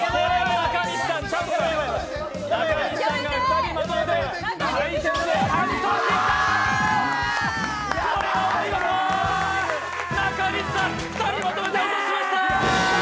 中西さん２人まとめて落としました！